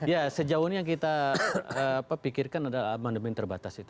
ya sejauh ini yang kita pikirkan adalah amandemen terbatas itu